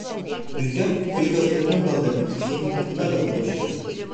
Rüzgar söğüt ağaçlarının dallarında hafif mırıltılarla dolaşıyordu.